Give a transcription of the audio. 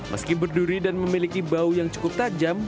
meski berduri dan memiliki bau yang cukup tajam